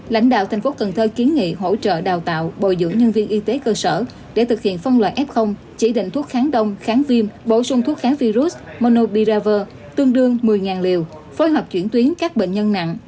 lãnh đạo thành phố cần thơ kiến nghị hỗ trợ đào tạo bồi dưỡng nhân viên y tế cơ sở để thực hiện phân loại f chỉ định thuốc kháng đông kháng viêm bổ sung thuốc kháng virus monobiraver tương đương một mươi liều phối hợp chuyển tuyến các bệnh nhân nặng